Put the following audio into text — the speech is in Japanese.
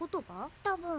多分。